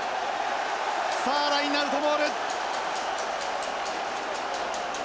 さあラインアウトボール。